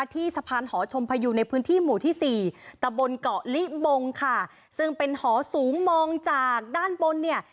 ที่สะพานหอชมพยูในพื้นที่หมู่ที่สี่ตะบนเกาะลิบงค่ะซึ่งเป็นหอสูงมองจากด้านบนเนี่ย